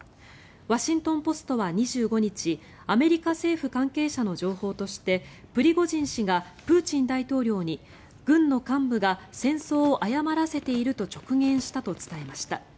ワシントン・ポストは２５日アメリカ政府関係者の情報としてプリゴジン氏がプーチン大統領に軍の幹部が戦争を誤らせていると直言したと伝えました。